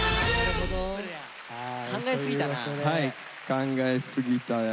考えすぎたな。